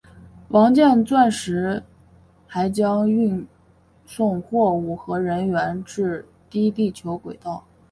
王剑钻石还将运送货物和人员至低地球轨道。